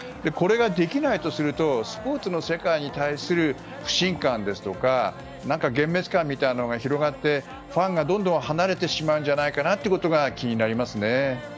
これができないとするとスポーツの世界に対する不信感ですとか幻滅感みたいなのが広がってファンがどんどん離れてしまうんじゃないかなということが気になりますね。